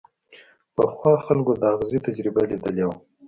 پخوا خلکو د ازغي تجربه ليدلې وه.